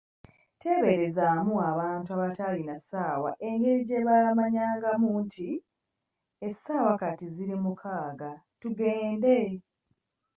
Teeberezaamu abantu abataalina ssaawa engeri gyebamanyangamu nti, essaawa kati ziri mukaaga tugende!